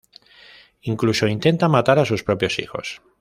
Incluso intenta matar a sus propios hijos.